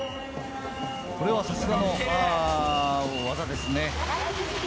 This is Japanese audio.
これはさすがの技ですね。